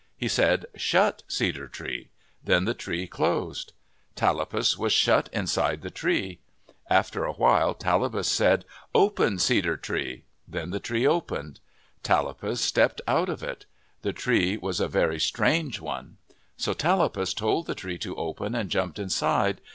He said, "Shut, Cedar Tree!" Then the tree closed. Tallapus was shut inside the tree. After a while Tallapus said, " Open, Cedar Tree !' Then the tree opened. Tallapus stepped out of it. The tree was a very strange one. So Tallapus told the tree to open, and jumped inside.